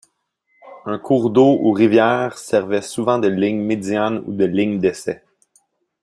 Un cours d'eau ou rivière servait souvent de ligne médiane ou de lignes d'essai.